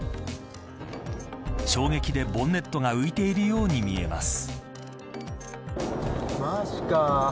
衝撃でボンネットが浮いているように見えます。